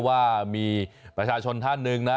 ว่ามีประชาชนท่านหนึ่งนะ